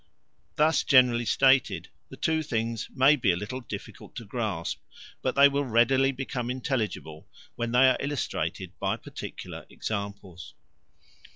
Thus generally stated the two things may be a little difficult to grasp, but they will readily become intelligible when they are illustrated by particular examples.